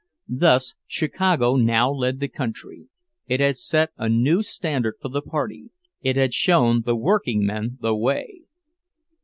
Thus Chicago now led the country; it had set a new standard for the party, it had shown the workingmen the way!